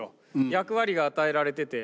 役割が与えられてて。